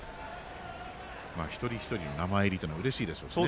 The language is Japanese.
一人一人の名前入りというのはうれしいでしょうね。